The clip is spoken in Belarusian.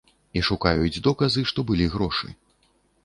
І шукаюць доказы, што былі грошы.